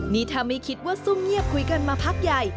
นี่ถ้าไม่คิดว่าซุ่มเงียบคุยกันมาพักใหญ่